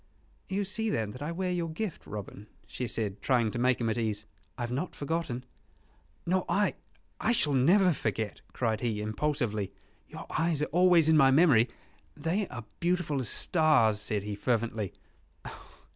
"You see then that I wear your gift, Robin," she said, trying to make him at ease. "I have not forgotten " "Nor I I shall never forget," cried he, impulsively. "Your eyes are always in my memory: they are beautiful as stars," said he, fervently.